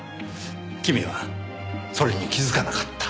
君はそれに気づかなかった。